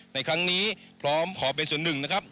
ในครั้งนี้พร้อมขอเป็นส่วนหนึ่งนะครับ